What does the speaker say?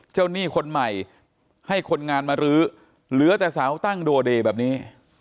หนี้คนใหม่ให้คนงานมารื้อเหลือแต่เสาตั้งโดเดย์แบบนี้